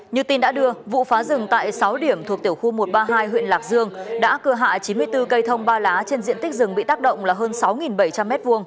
như tin đã đưa vụ phá rừng tại sáu điểm thuộc tiểu khu một trăm ba mươi hai huyện lạc dương đã cưa hạ chín mươi bốn cây thông ba lá trên diện tích rừng bị tác động là hơn sáu bảy trăm linh m hai